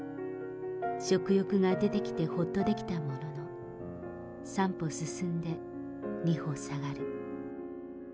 食欲が出てきてほっとできたものの、三歩進んで二歩下がる。